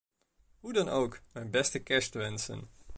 Hoe dan ook, mijn beste kerstwensen!